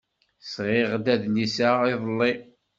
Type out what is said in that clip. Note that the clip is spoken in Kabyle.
Sɣiɣ-d adlis-a iḍelli.